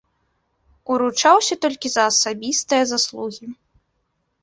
Уручаўся толькі за асабістыя заслугі.